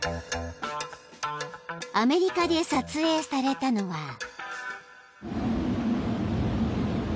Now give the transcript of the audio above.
［アメリカで撮影されたのは］